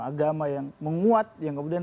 agama yang menguat yang kemudian